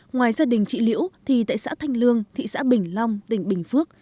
ngoài gia đình chị liễu thì tại xã thanh lương thị xã bình long tỉnh bình phước